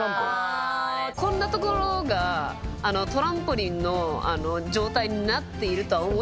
こんなところがトランポリンの状態になっているとは思えない。